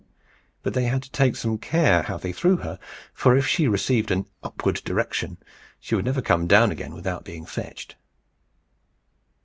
But they had to take some care how they threw her, for if she received an upward direction, she would never come down again without being fetched.